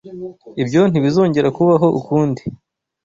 Ibyo ntibizongera kubaho ukundi